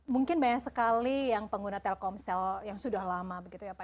mungkin banyak sekali yang pengguna telkomsel yang sudah lama begitu ya pak